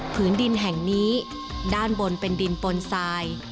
พื้นดินแห่งนี้ด้านบนเป็นดินปนทราย